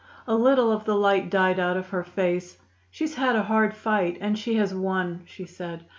A little of the light died out of her face. "She's had a hard fight, and she has won," she said.